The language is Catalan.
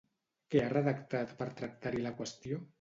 Què ha redactat per tractar-hi la qüestió?